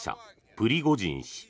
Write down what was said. プリゴジン氏。